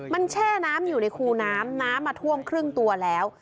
มันแช่น้ำอยู่ในคูน้ำน้ำมาท่วมครึ่งตัวแล้ว